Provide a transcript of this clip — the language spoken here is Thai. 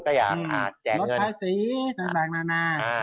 รสท้ายสี